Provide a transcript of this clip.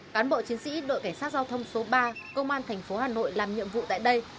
cán bộ chiến sĩ đội cảnh sát giao thông số ba công an thành phố hà nội làm nhiệm vụ tại đây